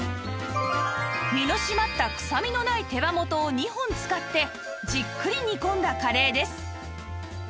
身の締まったくさみのない手羽元を２本使ってじっくり煮込んだカレーです